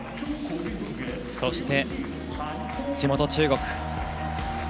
そして、地元・中国。